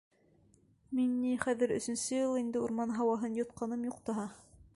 — Мин ни, хәҙер өсөнсө йыл инде урман һауаһын йотҡаным юҡ таһа.